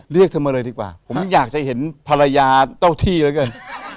เธอมาเลยดีกว่าผมอยากจะเห็นภรรยาเจ้าที่เหลือเกิน